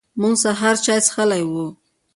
موږ سهار چای څښلی و.